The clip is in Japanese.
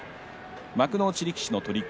幕内力士の取組